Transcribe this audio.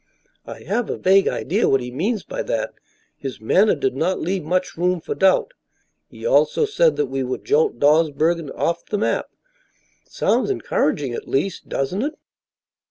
I have a vague idea what he means by that; his manner did not leave much room for doubt. He also said that we would jolt Dawsbergen off the map. It sounds encouraging, at least, doesn't it?"